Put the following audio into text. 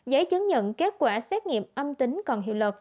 giấy chứng nhận kết quả xét nghiệm âm tính còn hiệu